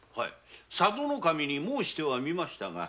佐渡守に申してはみましたが。